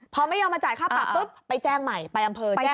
พอไม่ยอมมาจ่ายค่าปรับปุ๊บไปแจ้งใหม่ไปอำเภอแจ้ง